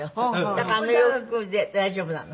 だからあの洋服で大丈夫なの。